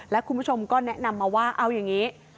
และคุณผู้ชมก็แนะนำมาว่าเอาอย่างนี้